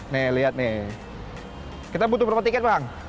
nih lihat nih kita butuh berapa tiket bang